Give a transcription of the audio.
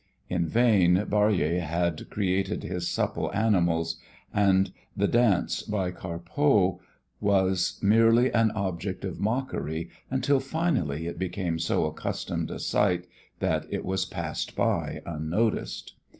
In vain Barye had created his supple animals; and The Dance by Carpeaux was merely an object of mockery until finally it became so accustomed a sight that it was passed by unnoticed.